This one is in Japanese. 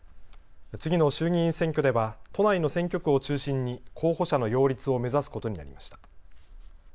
次の衆議院選挙では都内の選挙区を中心に候補者の擁立を目指すことになりました。